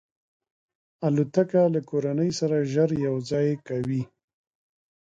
الوتکه له کورنۍ سره ژر یو ځای کوي.